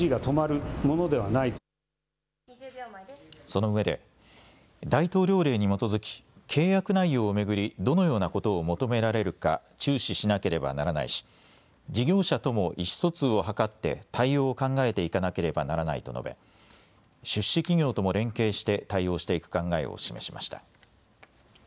そのうえで大統領令に基づき契約内容を巡り、どのようなことを求められるか注視しなければならないし事業者とも意思疎通を図って対応を考えていかなければならないと述べ出資企業とも連携して対応していく考えを示しました。